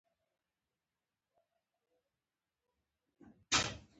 هغوی د خوښ ماښام له رنګونو سره سندرې هم ویلې.